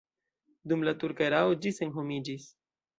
Dum la turka erao ĝi senhomiĝis.